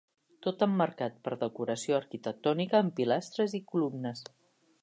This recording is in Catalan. Tot emmarcat per decoració arquitectònica amb pilastres i columnes.